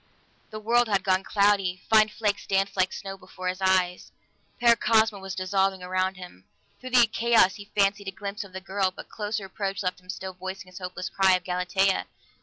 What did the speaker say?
The world had gone cloudy; fine flakes danced like snow before his eyes; Paracosma was dissolving around him. Through the chaos he fancied a glimpse of the girl, but closer approach left him still voicing his hopeless cry of "Galatea!"